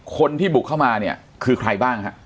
คนที่บุกเข้ามาเนี่ยคือใครบ้างฮะ